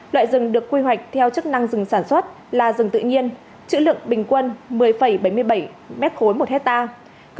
loại rừng được quy hoạch theo chức năng rừng sản xuất là rừng tự nhiên chữ lượng bình quân một mươi bảy mươi bảy mét khối một hectare